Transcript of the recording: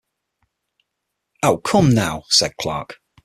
"Oh, come now," said Clarke.